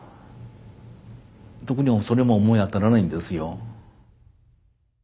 特にそれも思い当たらないんですよ。